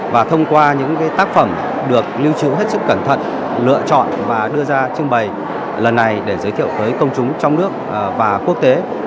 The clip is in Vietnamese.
và thông qua những tác phẩm được lưu trữ hết sức cẩn thận lựa chọn và đưa ra trưng bày lần này để giới thiệu tới công chúng trong nước và quốc tế